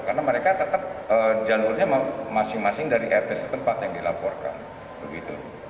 karena mereka tetap jalurnya masing masing dari rt setempat yang dilaporkan begitu